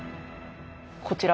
こちら。